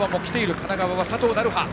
神奈川は佐藤成葉。